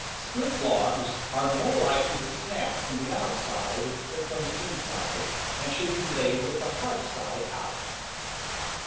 Split logs are more THE CAMP FIRE 85 likely to snap from the outside than from the inside, and should be laid with the heart side out.